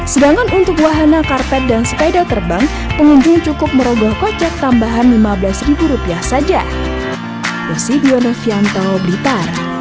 sedangkan untuk wahana karpet dan sepeda terbang pengunjung cukup merogoh kocek tambahan lima belas saja